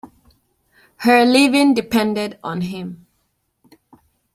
Her living depended on him.